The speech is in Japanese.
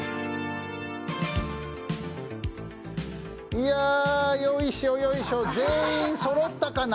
いや、よいしょ、よいしょ全員そろったかな？